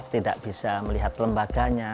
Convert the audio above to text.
tidak bisa melihat lembaganya